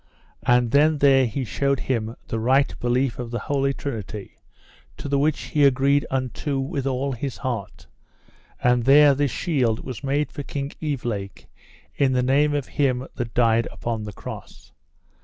And then there he shewed him the right belief of the Holy Trinity, to the which he agreed unto with all his heart; and there this shield was made for King Evelake, in the name of Him that died upon the Cross.